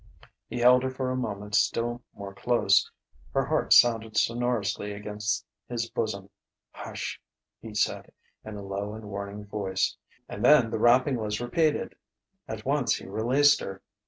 He held her for a moment still more close. Her heart sounded sonorously against his bosom. "Hush!" he said in a low and warning voice. And then the rapping was repeated. At once he released her.